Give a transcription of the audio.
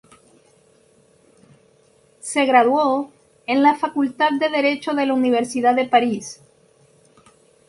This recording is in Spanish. Se graduó en la Facultad de Derecho de la Universidad de París.